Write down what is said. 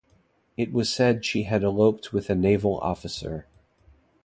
It was said she had eloped with a naval officer.